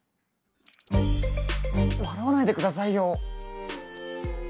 笑わないで下さいよ！